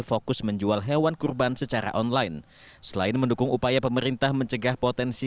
fokus menjual hewan kurban secara online selain mendukung upaya pemerintah mencegah potensi